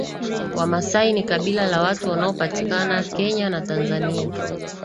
Wamasai ni kabila la watu wanaopatikana Kenya na Tanzania